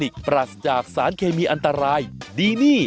ข้าวใส่ไทย